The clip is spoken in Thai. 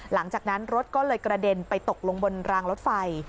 หลังจากนั้นรถก็เลยกระเด็นไปตกลงบนรางรถไฟ